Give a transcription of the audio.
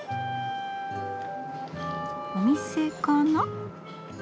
お店かな？